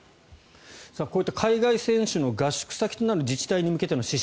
こういった海外選手の合宿先の受け入れの自治体に向けての指針